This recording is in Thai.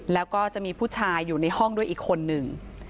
แล้วก็จะมีผู้ชายอยู่ในห้องด้วยอีกคนนึง